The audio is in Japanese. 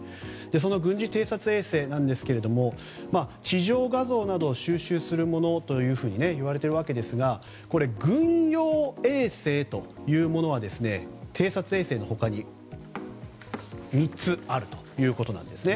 その軍事偵察衛星ですが地上画像などを収集するものというふうにいわれているわけですが軍用衛星というものは偵察衛星の他に３つあるということなんですね。